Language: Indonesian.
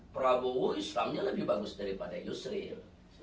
prabowo islamnya lebih bagus daripada yusril